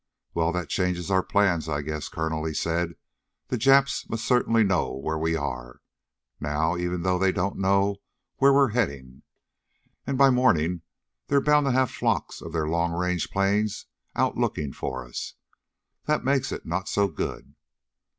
"Well, that changes our plans, I guess, Colonel," he said. "The Japs must certainly know where we are, now, even though they don't know where we're heading. And by morning they're bound to have flocks of their long range planes out looking for us. That makes it not so good."